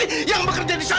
ehang apakah itu